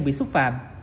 bị xúc phạm